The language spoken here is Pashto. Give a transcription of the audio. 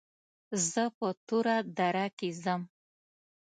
زه په توره دره کې ځم.